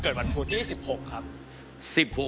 เกิดวันพุธ๑๖ครับ